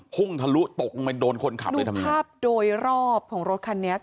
คุ้งทะลุตกมาโดนคนขับเลยดูภาพโดยรอบของรถคันนี้